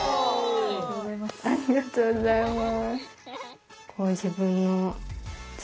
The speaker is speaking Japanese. ありがとうございます。